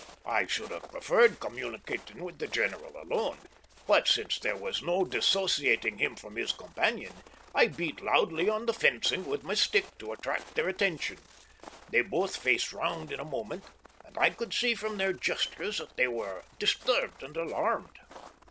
I should have preferred communicating with the general alone, but since there was no dissociating him from his companion, I beat loudly on the fencing with my stick to attract their attention. They both faced round in a moment, and I could see from their gestures that they were disturbed and alarmed.